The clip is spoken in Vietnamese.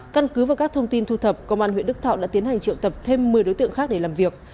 căn cứ vào các thông tin thu thập công an huyện đức thọ đã tiến hành triệu tập thêm một mươi đối tượng khác để làm việc